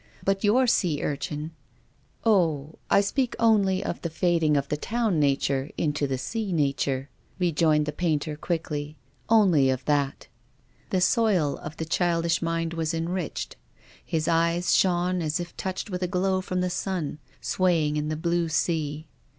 " But your sea urchin —"" Oh, I speak only of the fading of the town nature into the sea nature," rejoined the painter quickly, " only of that. The soil of the childish mind was enriched ; his eyes shone as if touched with a glow from the sun, swaying in the blue sea.